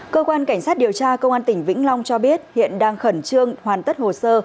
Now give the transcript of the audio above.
cơ quan cảnh sát điều tra công an tỉnh vĩnh long cho biết hiện đang khẩn trương hoàn tất hồ sơ